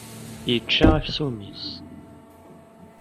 Yečča aksum-is.